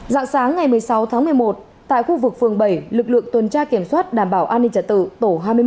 dạng sáng ngày một mươi sáu tháng một mươi một tại khu vực phường bảy lực lượng tuần tra kiểm soát đảm bảo an ninh trả tự tổ hai mươi một